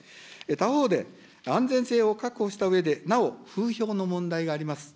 他方で、安全性を確保したうえで、なお、風評の問題があります。